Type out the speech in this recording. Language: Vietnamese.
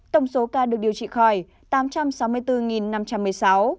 tổng số ca được điều trị khỏi tám trăm sáu mươi bốn năm trăm một mươi sáu